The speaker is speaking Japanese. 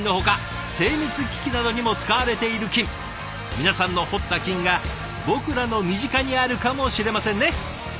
皆さんの掘った金が僕らの身近にあるかもしれませんね！